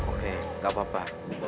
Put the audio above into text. oke gak apa apa